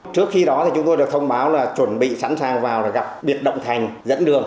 trước khi đó thì chúng tôi được thông báo là chuẩn bị sẵn sàng vào gặp biệt động thành dẫn đường